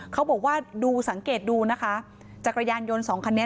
เขาบอกว่าดูสังเกตดูนะคะจักรยานยนต์สองคันนี้